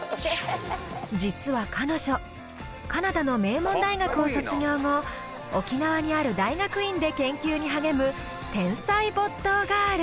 実は彼女カナダの名門大学を卒業後沖縄にある大学院で研究に励む天才没頭ガール。